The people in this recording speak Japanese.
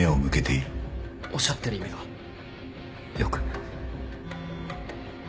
おっしゃってる意味がよく。